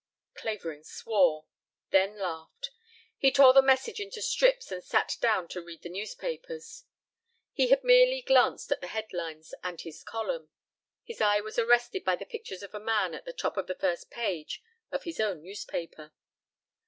Clavering swore, then laughed. He tore the message into strips and sat down to read his newspapers; he had merely glanced at the headlines and his column. His eye was arrested by the picture of a man at the top of the first page of his own newspaper.